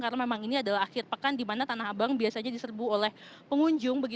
karena memang ini adalah akhir pekan di mana tanah abang biasanya diserbu oleh pengunjung